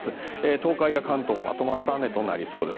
東海や関東まとまった雨となりそうです。